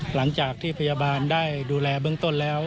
หลังจากที่พยาบาลได้ดูแลเบื้องต้นแล้ว